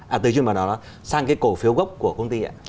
à từ chứng quyền mà làm đó sang cái cổ phiếu gốc của công ty ạ